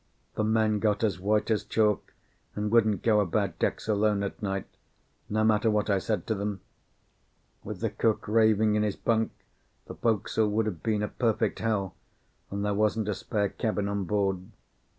The men got as white as chalk, and wouldn't go about decks alone at night, no matter what I said to them. With the cook raving in his bunk, the forecastle would have been a perfect hell, and there wasn't a spare cabin on board.